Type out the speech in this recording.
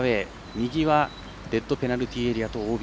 右はレッドペナルティーエリアとＯＢ。